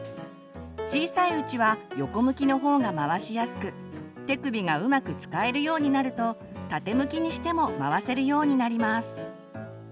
小さいうちは横向きの方が回しやすく手首がうまく使えるようになると縦向きにしても回せるようになります。